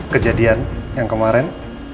kejadian yang kemarin